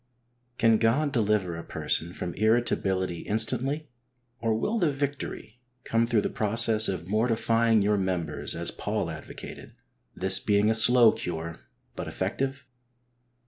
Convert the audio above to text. Can God deliver a person from irritability instantly, or will the victory come through the process of mortifying your members, as Paul advocated, this being a slow cure, but effective